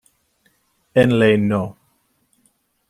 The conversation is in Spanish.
En ley No.